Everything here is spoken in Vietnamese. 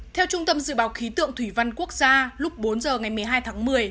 theo trung tâm dự báo khí tượng thủy văn quốc gia lúc bốn giờ ngày một mươi hai tháng một mươi